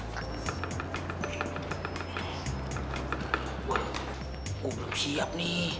gue belum siap nih